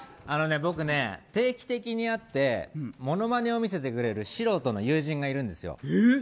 僕ね、定期的にあってモノマネを見せてくれる素人の友人がいるんですよ。